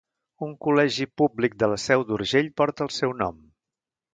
Un col·legi públic de la Seu d'Urgell porta el seu nom.